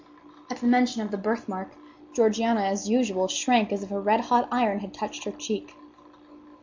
At the mention of the birthmark, Georgiana, as usual, shrank as if a redhot iron had touched her cheek.